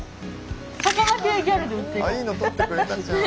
いいの撮ってくれたじゃん。